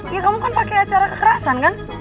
ya kamu kan pakai acara kekerasan kan